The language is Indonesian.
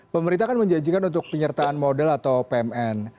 pemerintah kan menjanjikan untuk penyertaan modal atau pmn